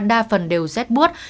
đa phần đều z buốt